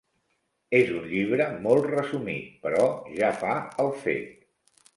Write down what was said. És un llibre molt resumit, però ja fa el fet.